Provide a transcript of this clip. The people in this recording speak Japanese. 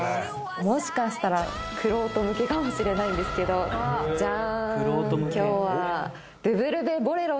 もしかしたら玄人向けかもしれないんですけどジャーン